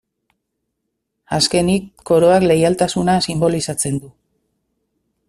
Azkenik, koroak leialtasuna sinbolizatzen du.